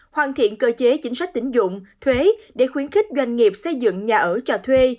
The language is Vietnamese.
hoàn thiện cơ chế chính sách tính dụng thuế để khuyến khích doanh nghiệp xây dựng nhà ở cho thuê